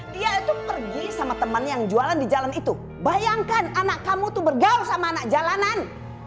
dia itu pergi sama temen yang jualan di jalan itu bayangkan anak kamu itu bergaul sama anak jalanan